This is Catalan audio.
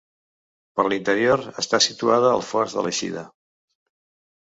Per l'interior està situada al fons de l'eixida.